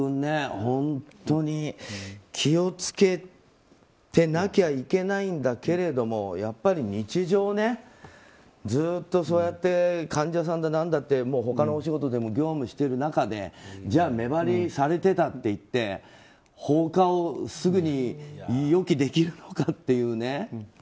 本当に気を付けてなきゃいけないんだけどやっぱり日常ずっと患者さんだ何だって他のお仕事でも業務している中でじゃあ目張りされていたといって放火をすぐに予期できるのかっていうね。